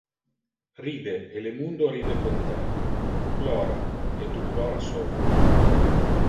Ride, e le mundo ride con te. Plora, e tu plora sol.